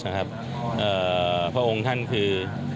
พระองค์ท่านคือ